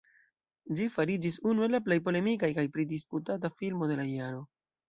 Ĝi fariĝis unu el la plej polemika kaj pridisputata filmo de la jaro.